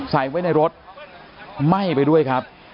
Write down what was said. ใส่ไว้ในรถไหม้ไปด้วยครับ